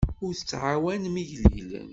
Ur tɛawnem igellilen.